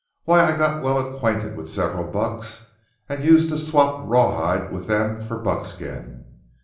Why, I got well acquainted with several bucks, and used to swap rawhide with them for buckskin.